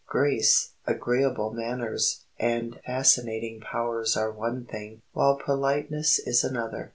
Grace, agreeable manners, and fascinating powers are one thing, while politeness is another.